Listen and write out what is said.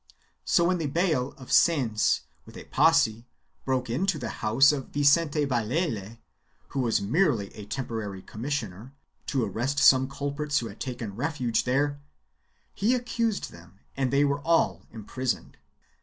So when the bayle of Sens, with a posse, broke into the house of Vicente Valele, who was merely a temporary commissioner, to arrest some culprits who had taken refuge there, he accused them and they were all imprisoned.